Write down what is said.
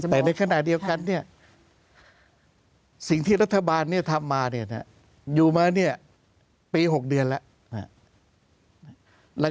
แต่ในขณะเดียวกันเนี่ยสิ่งที่รัฐบาลทำมาอยู่มาเนี่ยปี๖เดือนแล้ว